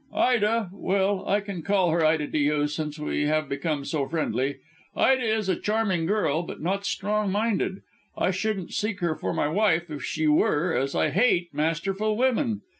"Ida well, I can call her Ida to you, since we have become so friendly Ida is a charming girl, but not strong minded. I shouldn't seek her for my wife if she were, as I hate masterful women.